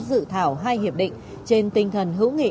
dự thảo hai hiệp định trên tinh thần hữu nghị